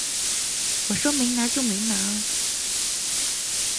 我说没拿就没拿啊